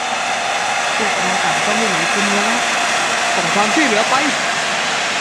พวกเราต่างก็ไม่เหลือจินแล้ว : ส่งความช่วยเหลือไป !